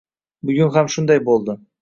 Bugun ham shunday bo‘ldi.